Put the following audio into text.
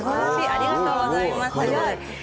ありがとうございます。